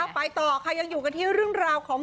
ไปต่อใครยังอยู่กับเรื่องราวของ